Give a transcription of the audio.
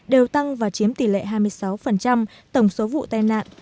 đều tăng và chiếm tỷ lệ hai mươi sáu tổng số vụ tai nạn